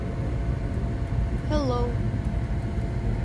I wish therefore that candles may be brought.